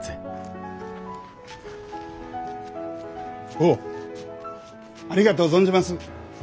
坊ありがとう存じます。